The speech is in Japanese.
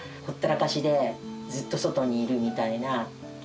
ほったらかしで、ずっと外にいるみたいな。